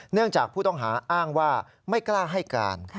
เนื่องจากผู้ต้องหาอ้างว่าไม่กล้าให้การ